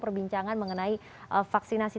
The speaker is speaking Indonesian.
perbincangan mengenai vaksinasi